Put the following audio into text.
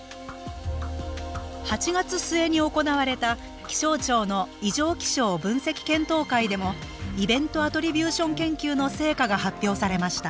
８月末に行われた気象庁の異常気象分析検討会でもイベント・アトリビューション研究の成果が発表されました